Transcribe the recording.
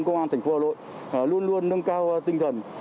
công an thành phố hà nội luôn luôn nâng cao tinh thần